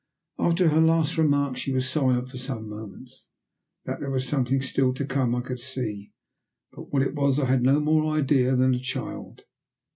After her last remark she was silent for some moments. That there was something still to come, I could see, but what it was I had no more idea than a child.